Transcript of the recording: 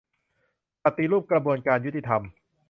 ปฏิรูปกระบวนการยุติธรรม